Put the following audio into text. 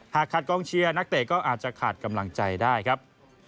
หากขาดกองเชียร์นักเตะก็อาจจะขาดกำลังใจได้ครับ